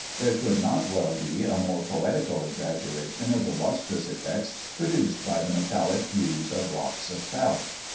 There could not well be a more poetical exaggeration of the lustrous effects produced by the metallic hues of rocks of talc.